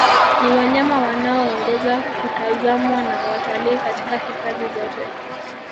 Ni wanyama wanaoongoza kutazamwa na watalii katika hifadhi zote